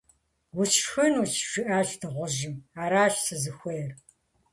- Усшхынущ, - жиӏащ дыгъужьым. - Аращ сызыхуейр.